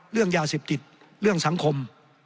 เรื่องยาเสพติดเรื่องสังคม